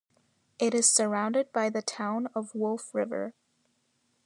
It is surrounded by the Town of Wolf River.